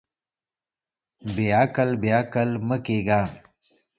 بېعقل، بېعقل مۀ کېږه.